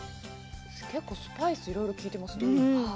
結構スパイス、いろいろ効いていますね。